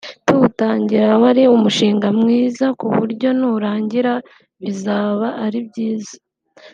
tuwutangira wari umushinga mwiza ku buryo nurangira bizaba ari byiza